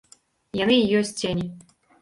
Яны і ёсць цені.